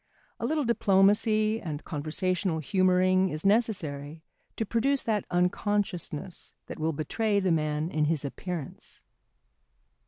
A little diplomacy and conversational humouring is necessary to produce that unconsciousness that will betray the man in his appearance.